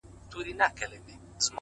اوښکي دي پر مځکه درته ناڅي ولي’